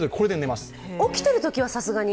起きてるときはさすがに？